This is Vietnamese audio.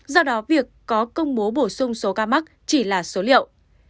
do đó việc có công bố bổ sung số ca mắc chỉ là số liệu